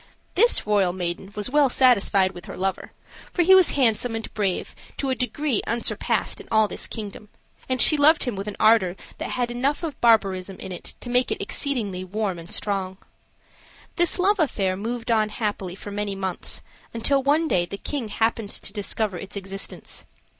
This royal maiden was well satisfied with her lover, for he was handsome and brave to a degree unsurpassed in all this kingdom, and she loved him with an ardor that had enough of barbarism in it to make it exceedingly warm and strong. This love affair moved on happily for many months, until one day the king happened to discover its existence.